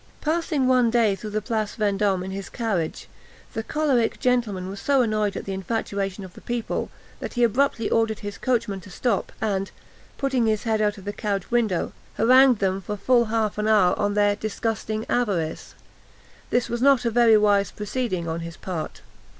Passing one day through the Place Vendôme in his carriage, the choleric gentleman was so annoyed at the infatuation of the people, that he abruptly ordered his coachman to stop, and, putting his head out of the carriage window, harangued them for full half an hour on their "disgusting avarice." This was not a very wise proceeding on his part.